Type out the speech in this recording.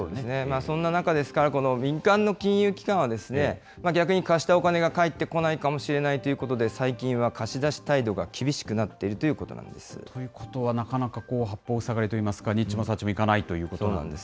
そんな中ですから、この民間の金融機関は、逆に貸したお金が返ってこないかもしれないということで、最近は貸し出し態度が厳しくということは、なかなか八方ふさがりといいますか、にっちもさっちもいかないということなん